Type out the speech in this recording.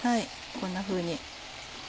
こんなふうに。